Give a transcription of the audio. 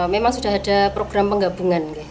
memang sudah ada program penggabungan